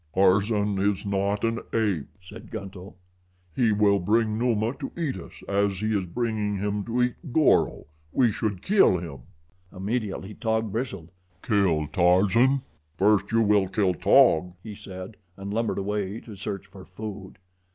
"Tarzan is not an ape," said Gunto. "He will bring Numa to eat us, as he is bringing him to eat Goro. We should kill him." Immediately Taug bristled. Kill Tarzan! "First you will kill Taug," he said, and lumbered away to search for food.